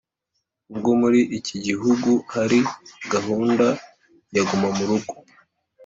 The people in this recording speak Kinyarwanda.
ubwo muri iki gihugu hari gahunda ya Guma mu rugo.